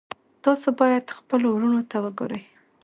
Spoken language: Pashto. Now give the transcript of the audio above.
تاسو باید خپلو وروڼو ته وګورئ.